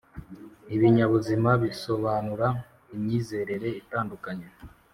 Ibinyabuzima bisobanura imyizerere itandukanye.